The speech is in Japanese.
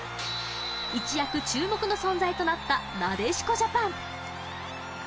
一躍注目の存在となったなでしこジャパン。